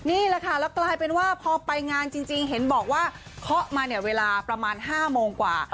นี่แหละค่ะแล้วกลายเป็นว่าพอไปงานจริงเห็นบอกว่าเคาะมาเนี่ยเวลาประมาณ๕โมงกว่า